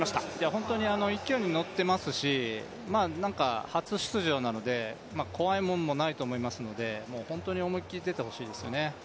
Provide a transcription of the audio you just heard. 本当に勢いに乗ってますし初出場なので、怖いもんもないと思いますので本当に思いっきり出てほしいですね。